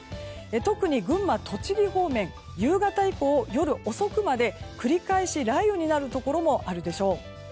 特に群馬、栃木方面夕方以降夜遅くまで繰り返し雷雨になるところもあるでしょう。